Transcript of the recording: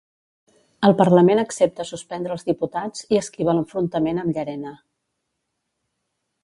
El parlament accepta suspendre els diputats i esquiva l'enfrontament amb Llarena.